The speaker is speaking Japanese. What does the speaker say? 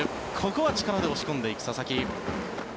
ここは力で押し込んでいく佐々木。